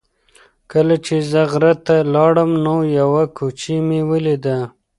کله چې زه غره ته لاړم نو یوه کوچۍ مې ولیده.